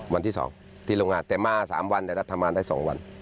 วันที่๒ที่โรงงานเต็มมา๓วันแต่รัฐธรรมันได้๒วัน